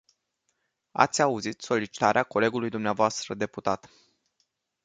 Ați auzit solicitarea colegului dvs. deputat.